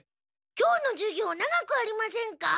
今日の授業長くありませんか？